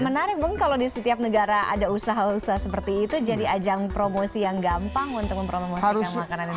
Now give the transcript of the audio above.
menarik mungkin kalau di setiap negara ada usaha usaha seperti itu jadi ajang promosi yang gampang untuk mempromosikan makanan yang lain